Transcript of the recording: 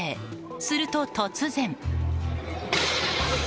すると、突然。